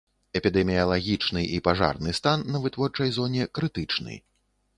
Эпідэміялагічны і пажарны стан на вытворчай зоне крытычны.